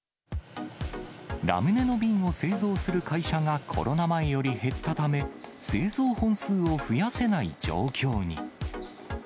ラムネの瓶を製造する会社がコロナ前より減ったため、製造本数を増やせない状況に。